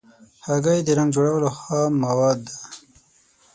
هګۍ د رنګ جوړولو خام مواد ده.